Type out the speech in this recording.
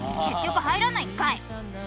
結局入らないんかい。